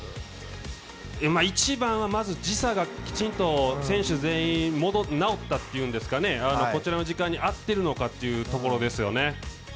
一番は、まず時差がきちんと選手全員、直ったというんですかね、こちらの時間に合ってるのかというところですよね。